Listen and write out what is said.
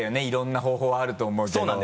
いろんな方法あると思うけど。